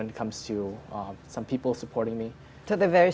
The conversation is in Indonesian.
terhadap beberapa orang yang mendukung saya